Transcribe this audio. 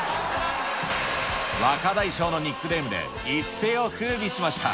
若大将のニックネームで一世をふうびしました。